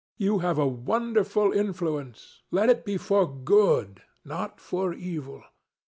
You have a wonderful influence. Let it be for good, not for evil.